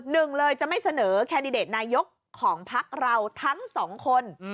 หนึ่งเลยจะไม่เสนอแคนดิเดตนายกของพักเราทั้งสองคน